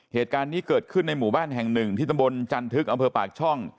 เหตุการณ์นี้เกิดขึ้นในหมู่บ้านแห่งหนึ่งที่ตำบลจันทึกอำเภอปากช่อง